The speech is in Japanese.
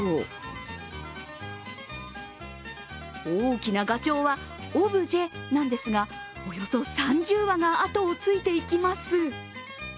大きながちょうはオブジェなんですがおよそ３０羽があとをついていきます。